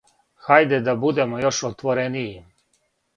Хајде да будемо још отворенији.